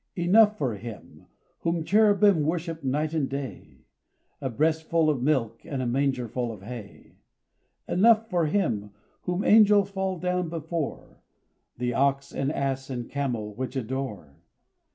Enough for Him, whom cherubim Worship night and day, A breastful of milk And a mangerful of hay; Enough for Him, whom angels Fall down before, The ox and ass and camel Which adore.